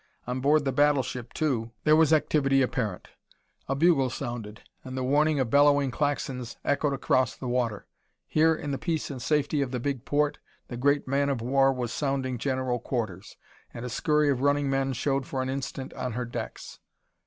On board the battleship, too, there was activity apparent. A bugle sounded, and the warning of bellowing Klaxons echoed across the water. Here, in the peace and safety of the big port, the great man of war was sounding general quarters, and a scurry of running men showed for an instant on her decks.